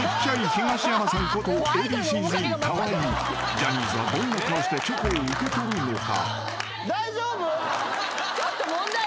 ［ジャニーズはどんな顔してチョコを受け取るのか？］